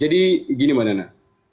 jadi gini bak nana